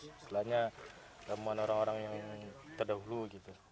misalnya ramuan orang orang yang terdahulu gitu